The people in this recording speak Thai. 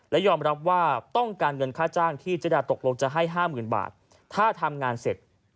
และยอมรับว่าต้องการเงินค่าจ้างที่เจดาตกลงจะให้๕๐๐๐บาทถ้าทำงานเสร็จ